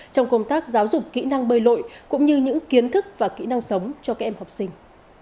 trong công tác giáo dục kỹ năng bơi lội cũng như những kiến thức và kỹ năng sống cho các em học sinh